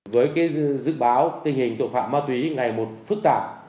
với dự báo tình hình tội phạm ma túy ngày một phức tạp